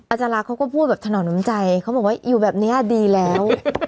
จารักเขาก็พูดแบบถนอนน้ำใจเขาบอกว่าอยู่แบบนี้ดีแล้ว